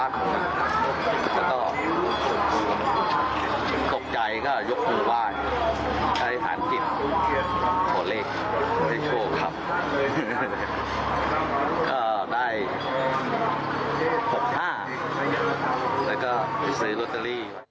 ก็ได้๖๕แล้วก็๔ลอตเตอรี่